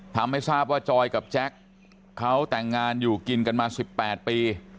ทำให้ทราบว่าจอยกับแจ็คเขาแต่งงานอยู่กินกันมา๑๘ปี